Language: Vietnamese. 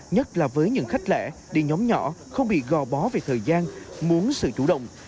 nhất là với những khách lẻ đi nhóm nhỏ không bị gò bó về thời gian muốn sự chủ động